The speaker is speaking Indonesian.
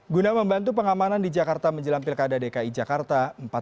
guna membantu pengamanan di jakarta menjelang pilkada dki jakarta